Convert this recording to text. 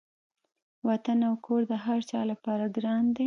وطن او کور د هر چا لپاره ګران دی.